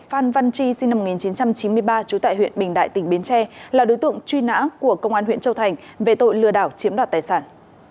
phan văn chi sinh năm một nghìn chín trăm chín mươi ba trú tại huyện bình đại tỉnh bến tre là đối tượng truy nã của công an huyện châu thành về tội lừa đảo chiếm đoạt tài sản